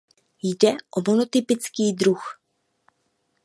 Jde o monotypický druh.